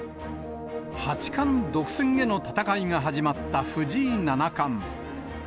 八冠独占への戦いが始まった藤井七冠。